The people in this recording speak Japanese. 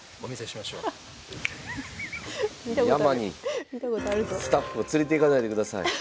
山にスタッフを連れていかないでください。